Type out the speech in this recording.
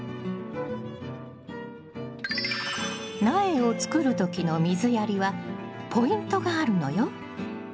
苗を作る時の水やりはポイントがあるのよ。